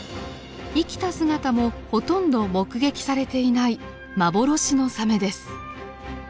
生きた姿もほとんど目撃されていない幻のサメです。